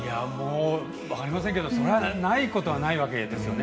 分かりませんけどないことはないわけですよね。